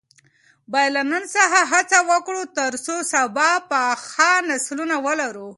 باید له نن څخه هڅه وکړو ترڅو سبا پاخه نسلونه ولرو.